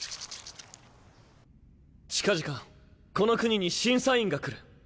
近々この国に審査員が来る。